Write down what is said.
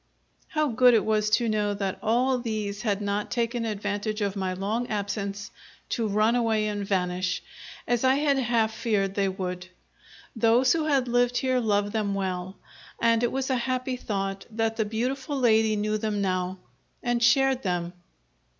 How good it was to know that all these had not taken advantage of my long absence to run away and vanish, as I had half feared they would. Those who have lived here love them well; and it was a happy thought that the beautiful lady knew them now, and shared them.